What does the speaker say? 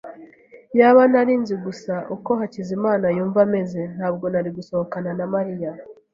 Iyaba nari nzi gusa uko Hakizimana yumva ameze, ntabwo nari gusohokana na Mariya.